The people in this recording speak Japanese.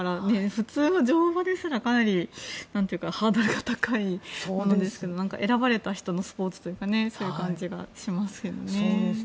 普通の乗馬ですらかなりハードルが高いですけど選ばれた人のスポーツというかそういう感じがしますよね。